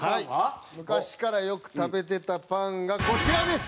昔からよく食べてたパンがこちらです！